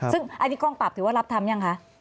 ซึ่งอันนี้กองปราบถือว่ารับทำยังคะ